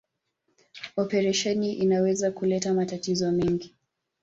Operesheni inaweza kuleta matatizo mengi